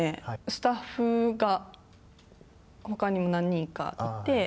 スタッフがほかにも何人かいて。